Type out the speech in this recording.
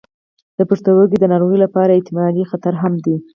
د پښتورګو د ناروغیو لوی احتمالي خطر هم دی.